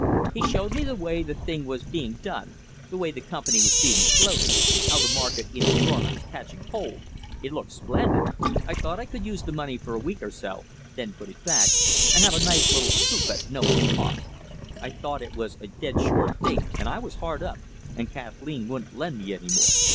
He showed me the way the thing was being done, the way the company was being floated, how the market in New York was catching hold. It looked splendid. I thought I could use the money for a week or so, then put it back, and have a nice little scoop, at no one's cost. I thought it was a dead sure thing and I was hard up, and Kathleen wouldn't lend me any more.